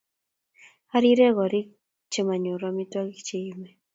Ariree korik chemayoru amitwokik che yemei